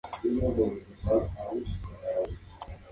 Eduardo Newbery realizó varios vuelos en toda Argentina.